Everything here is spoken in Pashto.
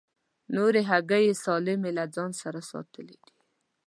نورې هګۍ یې سالمې له ځان سره ساتلې دي.